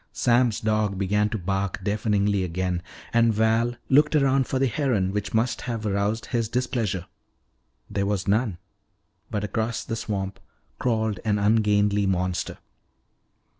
Sam's dog began to bark deafeningly again, and Val looked around for the heron which must have aroused his displeasure. There was none. But across the swamp crawled an ungainly monster.